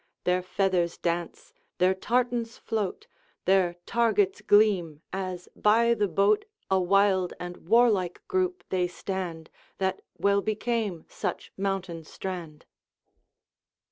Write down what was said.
Their feathers dance, their tartars float, Their targets gleam, as by the boat A wild and warlike group they stand, That well became such mountain strand.